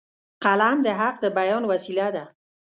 قلم د حق د بیان وسیله ده